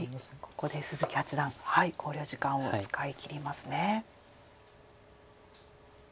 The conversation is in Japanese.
ここで鈴木八段考慮時間を使いきりますね。